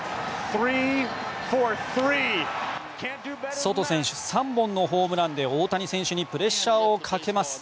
ソト選手、３本のホームランで大谷選手にプレッシャーをかけます。